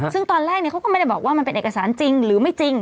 ซึ่งตอนแรกเขาก็ไม่ได้บอกว่ามันเป็นเอกสารจริงหรือไม่จริง